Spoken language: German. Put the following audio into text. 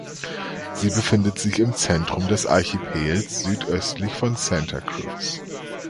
Sie befindet sich im Zentrum des Archipels, südöstlich von Santa Cruz.